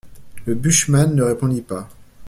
Le bushman ne répondit pas.